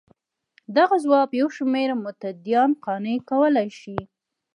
دغه ځواب یو شمېر متدینان قانع کولای شي.